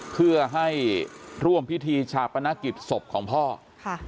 เพื่อให้ร่วมพิธีชาปนกิจศพของพ่อค่ะ